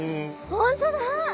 本当だ！